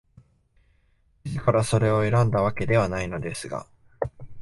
自らそれを選んだわけではないのですが、